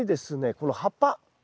この葉っぱ。